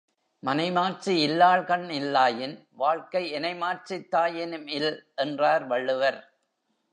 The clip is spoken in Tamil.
மனைமாட்சி இல்லாள்கண் இல்லாயின் வாழ்க்கை எனைமாட்சித் தாயினும் இல் என்றார் வள்ளுவர்.